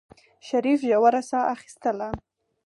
شريف ژوره سا اخېستله.